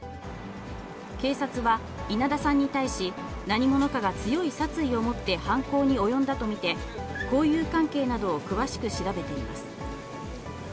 警察は、稲田さんに対し、何者かが強い殺意を持って、犯行に及んだと見て、交友関係な速報です。